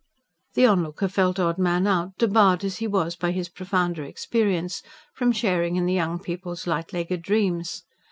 The onlooker felt odd man out, debarred as he was by his profounder experience from sharing in the young people's light legged dreams.